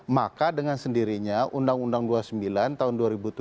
maka dengan sendirinya undang undang dua puluh sembilan tahun dua ribu tujuh